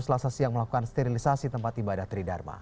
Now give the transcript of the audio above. selasa siang melakukan sterilisasi tempat ibadah tridharma